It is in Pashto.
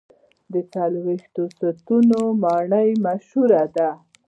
د څلوېښت ستنو ماڼۍ مشهوره ده.